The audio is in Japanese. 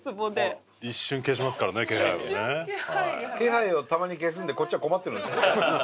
気配をたまに消すんでこっちは困ってるんですけど。